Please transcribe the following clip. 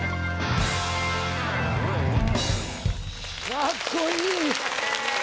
かっこいい！